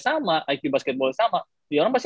sama aktif basket sama ya orang pasti